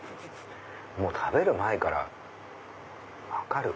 もう食べる前から分かる。